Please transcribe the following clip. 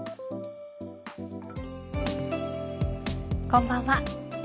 こんばんは。